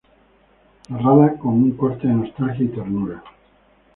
Narrada con un corte de nostalgia y ternura.